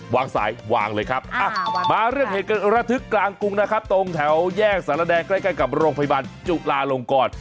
วางสายวางเลยครับมาเรื่องเหตุระทึกกลางกรุงนะครับตรงแถวแยกสารแดงใกล้กับโรงพยาบาลจุลาลงกร